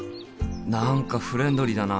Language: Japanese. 何かフレンドリーだな。